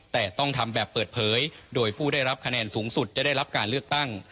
แต่ต้องทำแบบเปิดเผยโดยผู้ได้รับคะแนนสูงสุดจะได้รับการเลือกตั้ง